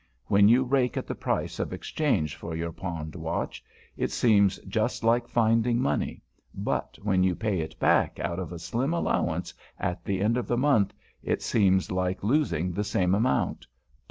When you rake in the price of exchange for your pawned watch, it seems just like finding money, but when you pay it back out of a slim allowance at the end of the month, it seems like losing the same amount, plus.